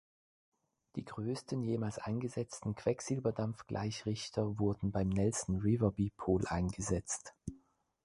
Die größten jemals eingesetzten Quecksilberdampfgleichrichter wurden beim Nelson-River-Bipol eingesetzt.